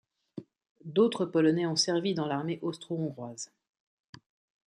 D'autres Polonais ont servi dans l'armée austro-hongroise.